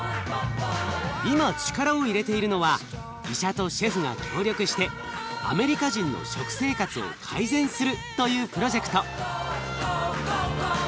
今力を入れているのは医者とシェフが協力してアメリカ人の食生活を改善するというプロジェクト。